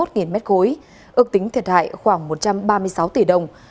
nghìn mét khối ước tính thiệt hại khoảng một trăm ba mươi sáu tỷ đồng